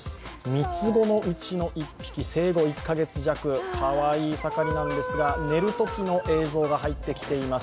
三つ子のうちの１匹、生後１カ月弱かわいい盛りなんですが寝るときの映像が入ってきています。